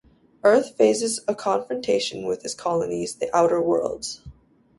Earth faces a confrontation with its colonies, the Outer Worlds.